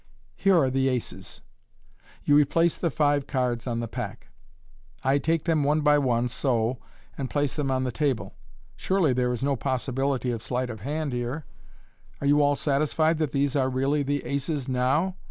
Here are the aces" (you replace the five cards on the pack) — rt I take them one by one, so, and place them on the table. Surely there is no possibility of sleight of hand here. Are you all satisfied that these are really the aces now